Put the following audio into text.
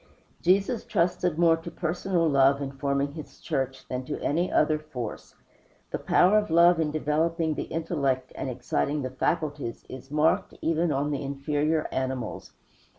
Jesus trusted more to personal love, in forming his church, than to any other force. The power of love in developing the intellect and exciting the faculties is marked, even on the inferior animals.